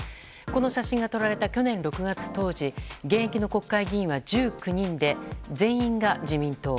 この写真が撮られた去年６月当時現役の国会議員は１９人で全員が自民党。